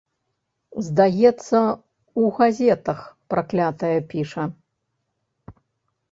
Здаецца, у газетах, праклятая, піша.